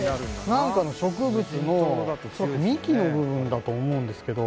なんかの植物の幹の部分だと思うんですけど。